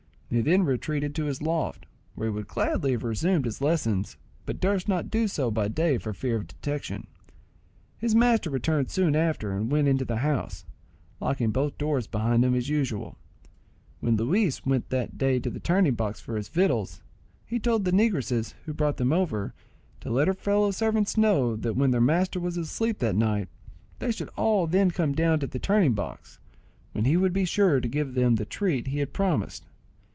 He then retreated to his loft, where he would gladly have resumed his lessons, but durst not do so by day for fear of detection. His master returned soon after and went into the house, locking both doors behind him as usual. When Luis went that day to the turning box for his victuals, he told the negress, who brought them, to let her fellow servants know that when their master was asleep that night, they should all of them come down to the turning box, when he would be sure to give them the treat he had promised.